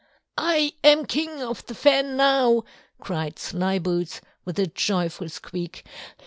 "I am King of the Fen now!" cried Slyboots with a joyful squeak.